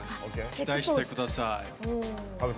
期待してください。